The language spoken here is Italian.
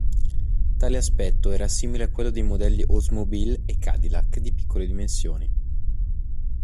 Tale aspetto era simile a quello dei modelli Oldsmobile e Cadillac di piccole dimensioni.